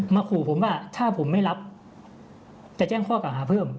ขู่ผมว่าถ้าผมไม่รับจะแจ้งข้อเก่าหาเพิ่ม